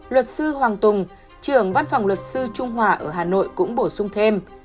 luật sư hoàng tùng trưởng văn phòng luật sư trung hòa ở hà nội cũng bổ sung thêm